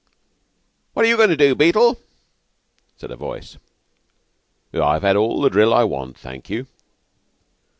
"What are you goin' to do, Beetle?" said a voice. "I've had all the drill I want, thank you."